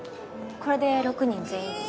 これで６人全員です。